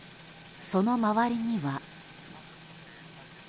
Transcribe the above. その周りには。